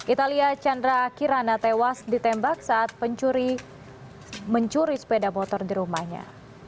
italia chandra kirana tewas ditembak saat pencuri sepeda motor di rumahnya